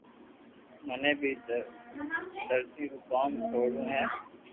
مني بي درزو رون ڪوم سوڙووو ھي